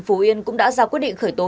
phú yên cũng đã ra quyết định khởi tố